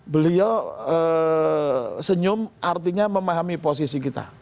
beliau senyum artinya memahami posisi kita